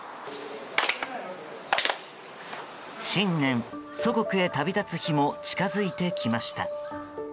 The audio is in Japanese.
新年、祖国へ旅立つ日も近づいてきました。